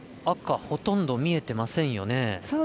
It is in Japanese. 赤、ほとんど見えていませんよね。